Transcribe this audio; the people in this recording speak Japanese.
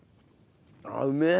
あっうめえ！